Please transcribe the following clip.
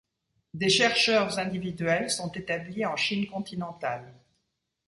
Des chercheurs individuels sont établis en Chine continentale.